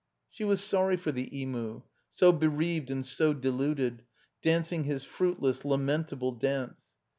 She was sorry for the Emu, so bereaved and so deluded, dancing his fruitless, lamentable dance.